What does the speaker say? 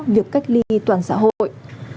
việc cách ly toàn xã hội